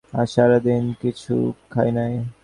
নিজাম ফিসফিস করে বলল, আপা আজ সারাদিন কিছু খায় নাই।